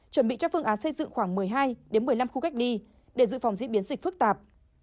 chuẩn bị cho phương án xây dựng khoảng một mươi hai một mươi năm khu cách ly để dự phòng diễn biến dịch phức tạp